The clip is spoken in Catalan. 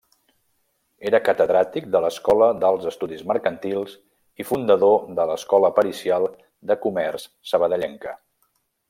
Era catedràtic de l'Escola d'Alts Estudis Mercantils i fundador de l'Escola Pericial de Comerç Sabadellenca.